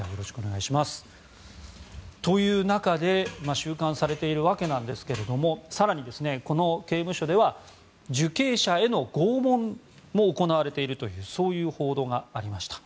という中で収監されているわけなんですが更に、この刑務所では受刑者への拷問も行われているという報道がありました。